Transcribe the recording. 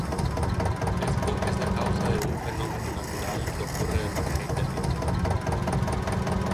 Esto es a causa de un fenómeno natural que ocurre de manera indefinida.